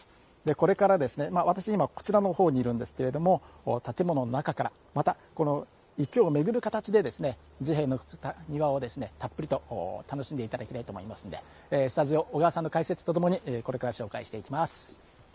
これから私、今こちらのほうにいるんですけれども建物の中からまた、この池を巡る形で治兵衛の造った庭をたっぷりと楽しんでいただきたいと思いますのでスタジオ、小川さんの解説とともにこれから紹介していきます。